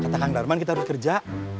kata kang darman kita harus kerja